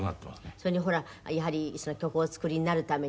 それにほらやはり曲をお作りになるためにね